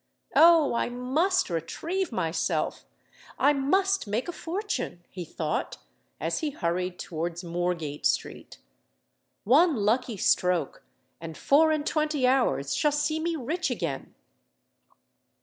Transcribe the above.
"Oh! I must retrieve myself—I must make a fortune!" he thought, as he hurried towards Moorgate Street. "One lucky stroke—and four and twenty hours shall see me rich again!"